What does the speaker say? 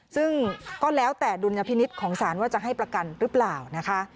ซึ่งก็แล้วแต่ดุลยพินิษฐ์ของสารว่าจะให้ประกันหรือเปล่านะคะ